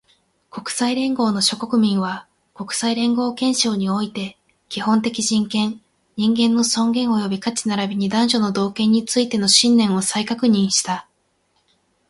国際連合の諸国民は、国際連合憲章において、基本的人権、人間の尊厳及び価値並びに男女の同権についての信念を再確認した